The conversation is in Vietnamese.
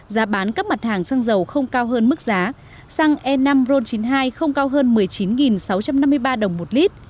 giá bán các mặt hàng xăng dầu không cao hơn mức giá xăng e năm ron chín mươi hai không cao hơn một mươi chín sáu trăm năm mươi ba đồng một lít